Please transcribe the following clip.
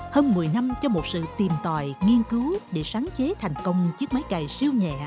hơn một mươi năm cho một sự tìm tòi nghiên cứu để sáng chế thành công chiếc máy cày siêu nhẹ